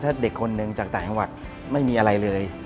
ถ้าเด็กคนหนึ่งจากต่างจังหวัดไม่มีอะไรเลย